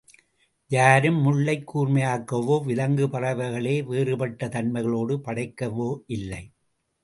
யாரும் முள்ளைக் கூர்மையாக்கவோ, விலங்கு பறவைகளே வேறுபட்ட தன்மைகளோடு படைக்கவோ இல்லை.